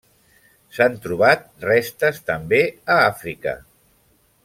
S'han trobat restes també a Àfrica.